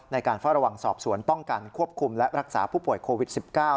ในการเฝ้าระวังสอบสวนป้องกันควบคุมและรักษาผู้ป่วยโควิด๑๙